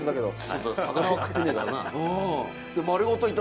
魚は食ってねえからな